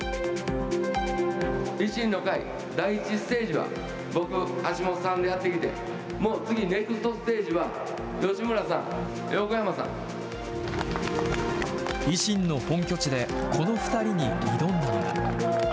維新の会、第１ステージは僕、橋下さんでやってきて、もう次、ネクストステージは、吉村さん、維新の本拠地で、この２人に挑んだのが。